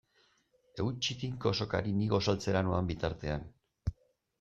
Eutsi tinko sokari ni gosaltzera noan bitartean.